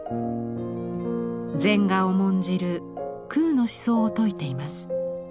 禅が重んじる空の思想を説いています。